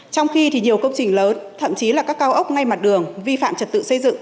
trong khi nhiều công trình lớn thậm chí là các cao ốc ngay mặt đường vi phạm trật tự xây dựng